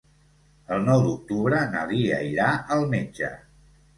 El nou d'octubre na Lia irà al metge.